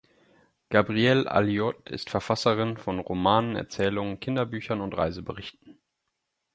Gabrielle Alioth ist Verfasserin von Romanen, Erzählungen, Kinderbüchern und Reiseberichten.